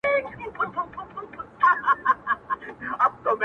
نه پر مسجد ږغېږم نه پر درمسال ږغېږم